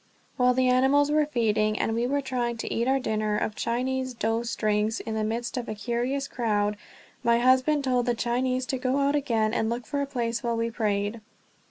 While the animals were feeding, and we were trying to eat our dinner of Chinese dough strings in the midst of a curious crowd, my husband told the Christian to go out again and look for a place while we prayed.